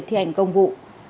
thi hành công vụ